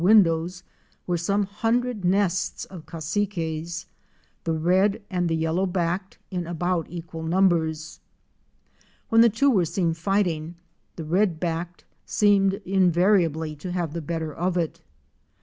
windows were some hundred nests of Cassiques — the Red'" and the Yellow backed ™ in about equal numbers. When the two were seen fighting, the Red backed seemed invariably to have the better of it.